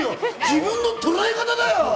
自分のとらえ方だよ！